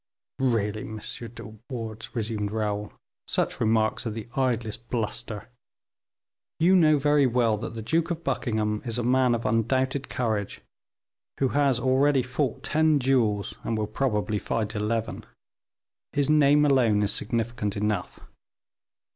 "Really, M. De Wardes," resumed Raoul, "such remarks are the idlest bluster. You know very well that the Duke of Buckingham is a man of undoubted courage, who has already fought ten duels, and will probably fight eleven. His name alone is significant enough.